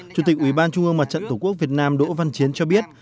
chủ tịch ủy ban trung ương mặt trận tổ quốc việt nam đỗ văn chiến cho biết